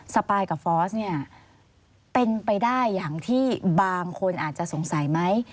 ปายกับฟอสเนี่ยเป็นไปได้อย่างที่บางคนอาจจะสงสัยไหม